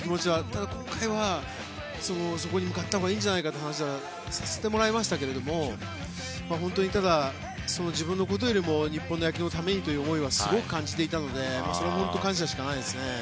ただ、今回はそこに向かったほうがいいんじゃないかという話はさせてもらいましたけれども本当、自分のことよりも日本の野球のためにという思いはすごく感じていたのでそれは感謝しかないですね。